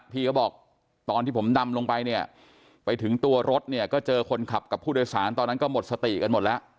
พี่ก็บอกตอนที่ผมดำลงไปเนี่ยไปถึงตัวรถเนี่ยก็เจอคนขับกับผู้โดยสารตอนนั้นก็หมดสติกันหมดแล้ว